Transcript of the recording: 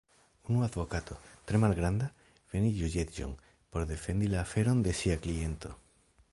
Unu advokato, tre malgranda, venis juĝejon, por defendi la aferon de sia kliento.